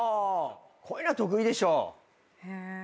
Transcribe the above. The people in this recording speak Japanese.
こういうの得意でしょ。